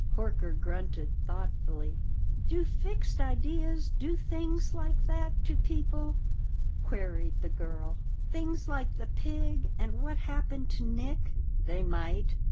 Horker grunted thoughtfully. "Do fixed ideas do things like that to people?" queried the girl. "Things like the pig and what happened to Nick?" "They might."